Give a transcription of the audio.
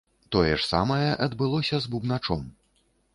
Тое ж самае адбылося з бубначом.